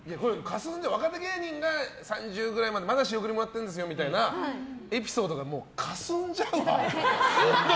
若手芸人が３０くらいまでまだ仕送りもらってるんですよみたいなエピソードがかすんじゃうわ。